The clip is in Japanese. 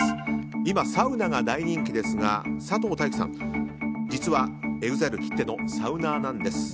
今、サウナが大人気ですが佐藤大樹さん実はＥＸＩＬＥきってのサウナーなんです。